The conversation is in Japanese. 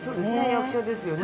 役者ですよね。